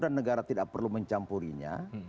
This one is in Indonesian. dan negara tidak perlu mencampurinya